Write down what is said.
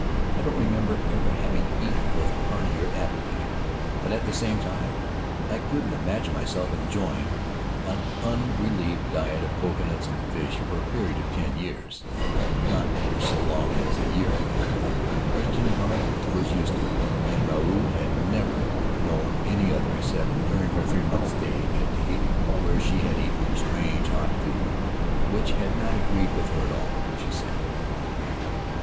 I don't remember ever having eaten with heartier appetite, but at the same time I couldn't imagine myself enjoying an unrelieved diet of coconuts and fish for a period of ten years — not for so long as a year, in fact. Crichton, however, was used to it, and Ruau had never known any other except during her three months' stay at Tahiti, where she had eaten strange hot food which had not agreed with her at all, she said.